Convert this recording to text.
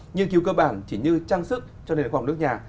như kiêu cơ bản chỉ như trang sức cho nền khoa học nước nhà